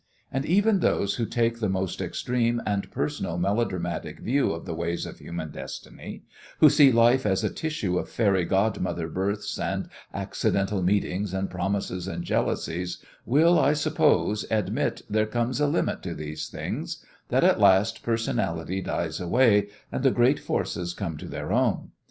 And even those who take the most extreme and personal and melodramatic view of the ways of human destiny, who see life as a tissue of fairy godmother births and accidental meetings and promises and jealousies, will, I suppose, admit there comes a limit to these things that at last personality dies away and the greater forces come to their own.